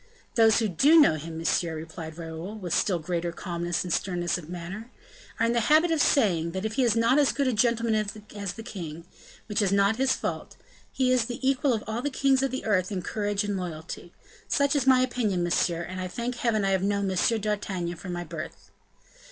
"Those who do know him, monsieur," replied Raoul, with still greater calmness and sternness of manner, "are in the habit of saying, that if he is not as good a gentleman as the king which is not his fault he is the equal of all the kings of the earth in courage and loyalty. Such is my opinion, monsieur; and I thank heaven I have known M. d'Artagnan from my birth."